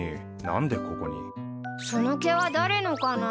その毛は誰のかな？